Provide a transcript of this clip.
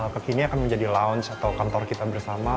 kekini akan menjadi lounge atau kantor kita bersama